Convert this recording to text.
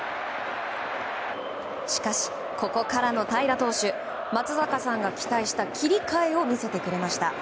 しかし、ここからの平良投手松坂さんが期待した切り替えを見せてくれました。